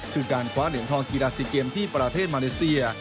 คือการคว้าเหรียญทองกีฬาซีเกมที่ประเทศมาเลเซีย